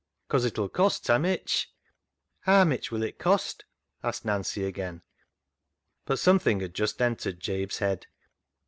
" 'Cause it'll cost ta mitch." " Haa mitch will it cost ?" asked Nancy again. But something had just entered Jabe's head.